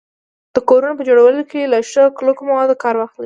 د کورونو په جوړولو کي له ښو کلکو موادو کار واخلو